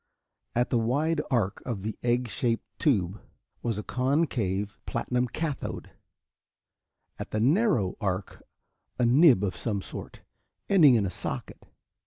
At the wide arc of the egg shaped tube was a concave platinum cathode, at the narrow arc a nib of some sort, ending in a socket.